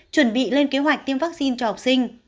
chuẩn bị lên kế hoạch tiêm vaccine cho học sinh